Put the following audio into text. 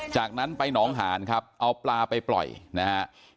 จากนั้นไปหนองหานครับเอาปลาไปปล่อยนะครับ